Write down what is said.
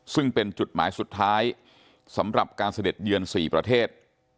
ซึ่งเป็นจุดหมายสุดท้ายสำหรับการเสด็จเยือน๔ประเทศ